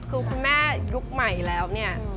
คือคุณแม่ยุคใหม่แล้วเนี่ย